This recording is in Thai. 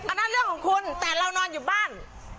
นั่นเรื่องของคุณแต่เรานอนอยู่บ้าน